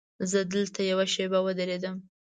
زه دلته یوه شېبه ودرېدم.